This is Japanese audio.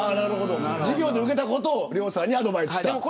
授業で受けたことを亮さんにアドバイスした。